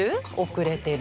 遅れてる？